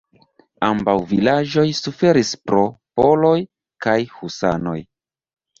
Ambaŭ vilaĝoj suferis pro poloj kaj husanoj.